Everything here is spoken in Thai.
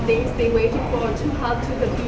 เพราะว่าพวกมันต้องรักษาอินเตอร์